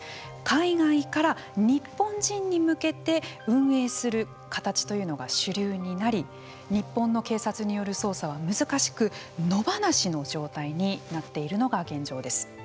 海外から日本人に向けて運営する形というのが主流になり日本の警察による捜査は難しく野放しの状態になっているのが現状です。